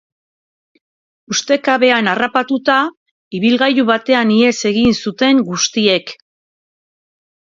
Ustekabean harrapatuta, ibilgailu batean ihes egin zuten guztiek.